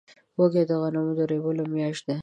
وږی د غنمو د رېبلو میاشت ده.